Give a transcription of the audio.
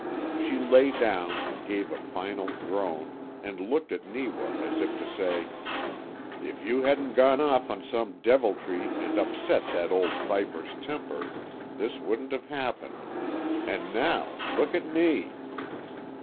She lay down, gave a final groan, and looked at Neewa, as if to say: "If you hadn't gone off on some deviltry and upset that old viper's temper this wouldn't have happened. And now look at ME!"